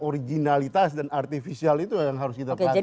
jadi itu kualitas dan artifisial itu yang harus kita perhatikan